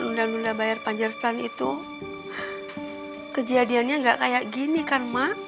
lunda lunda bayar panjartan itu kejadiannya enggak kayak gini kan mak